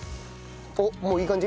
おっもういい感じ？